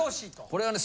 これはね